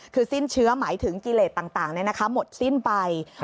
คือสิ้นเชื้อหมายถึงกิเลสต่างต่างเนี้ยนะคะหมดสิ้นไปครับ